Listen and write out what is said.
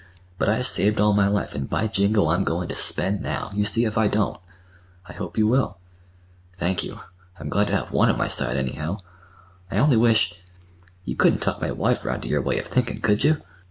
But I've saved all my life and, by jingo, I'm goin' to spend now! You see if I don't." "I hope you will." "Thank you. I'm glad to have one on my side, anyhow. I only wish—You couldn't talk my wife 'round to your way of thinkin', could you?"